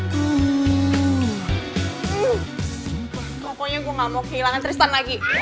pokoknya gue gak mau kehilangan tristan lagi